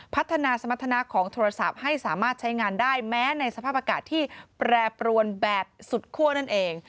พัฒนาสมรรถนาของโทรศัพท์ให้สามารถใช้งานได้แม้ในสภาพอากาศที่แปรปรวนแบบสุดคั่วนั่นเอง